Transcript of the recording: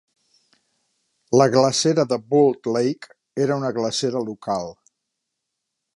La glacera de Bull Lake era una glacera local.